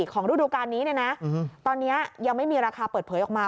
ของรูดูการนี้เนี่ยนะตอนนี้ยังไม่มีราคาเปิดเผยออกมา